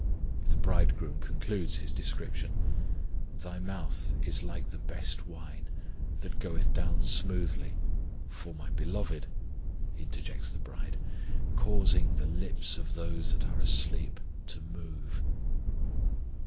The Bridegroom concludes his description: Thy mouth [is] like the best wine, That goeth down smoothly For my Beloved interjects the bride, Causing the lips of those that are asleep to move.